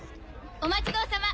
お待ちどおさま！